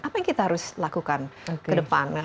apa yang kita harus lakukan ke depan